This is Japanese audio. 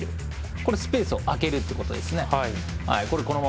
これ、スペースを空けるってことですね。